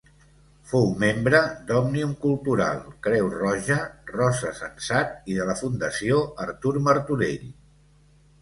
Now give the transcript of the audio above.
Fou membre d'Òmnium Cultural, Creu Roja, Rosa Sensat i de la Fundació Artur Martorell.